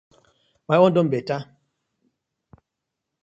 My own don better.